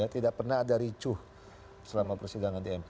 tidak pernah ada ricuh selama persidangan di mk